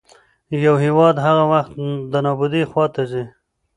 يـو هـيواد هـغه وخـت د نـابـودۍ خـواتـه ځـي